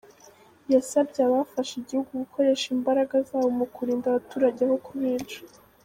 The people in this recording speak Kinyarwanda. Yasabye abafashe igihugu gukoresha imbaraga zabo mu kurinda abaturage aho kubica.